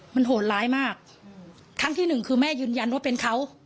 มันโหดร้ายมากครั้งที่หนึ่งคือแม่ยืนยันว่าเป็นเขา